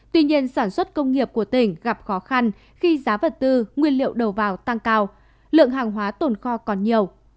tuy nhiên sản xuất công nghiệp của tỉnh gặp khó khăn khi giá vật tư nguyên liệu đầu vào tăng cao lượng hàng hóa tồn kho còn nhiều